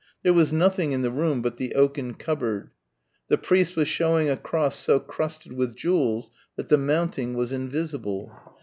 There was nothing in the room but the oaken cupboard. The priest was showing a cross so crusted with jewels that the mounting was invisible.